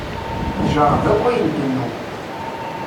Tjerreb akk ayen tennum.